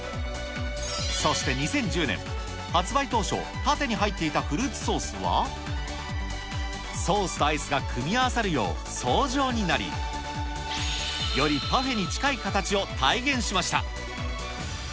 そして２０１０年、発売当初、縦に入っていたフルーツソースは、ソースとアイスが組み合わさるよう層状になり、よりパフェに近い形を体現しました。